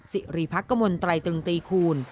สิริภักษ์กระมวลไตรตรงตีคูณ